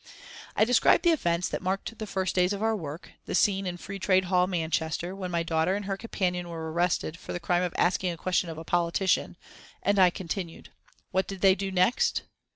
I described the events that marked the first days of our work, the scene in Free Trade Hall, Manchester, when my daughter and her companion were arrested for the crime of asking a question of a politician, and I continued: "What did they do next?